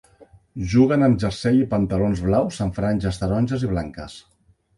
Juguen amb jersei i pantalons blaus amb franges taronges i blanques.